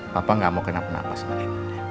papa gak mau kena penapas lagi